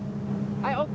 はいＯＫ